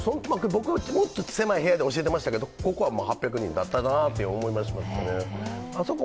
僕はもっと狭い部屋で教えていましたけれどもここは８００人やったなと思い出しましたね。